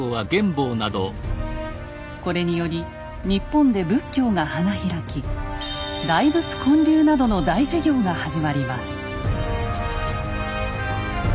これにより日本で仏教が花開き大仏建立などの大事業が始まります。